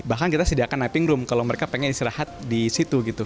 bahkan kita sediakan napping room kalau mereka pengen istirahat di situ gitu